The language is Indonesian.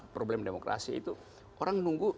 problem demokrasi itu orang nunggu